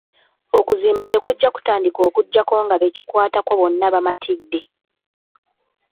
Okuzimba tekujja kutandika okuggyako nga be kikwatako bonna bamatidde.